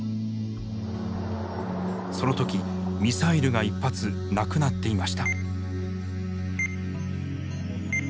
その時ミサイルが１発なくなっていました。